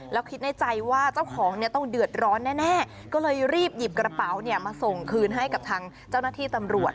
แล้วคิดในใจว่าเจ้าของเนี่ยต้องเดือดร้อนแน่ก็เลยรีบหยิบกระเป๋าเนี่ยมาส่งคืนให้กับทางเจ้าหน้าที่ตำรวจ